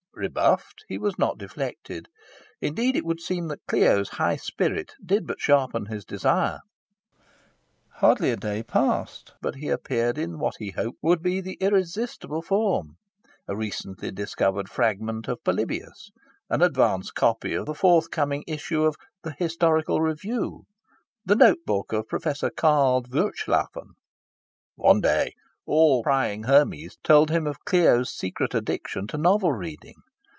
Rebuffed, he was not deflected. Indeed it would seem that Clio's high spirit did but sharpen his desire. Hardly a day passed but he appeared in what he hoped would be the irresistible form a recently discovered fragment of Polybius, an advance copy of the forthcoming issue of "The Historical Review," the note book of Professor Carl Voertschlaffen... One day, all prying Hermes told him of Clio's secret addiction to novel reading.